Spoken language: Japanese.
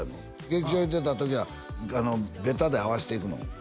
劇場へ出た時はベタで合わしていくの？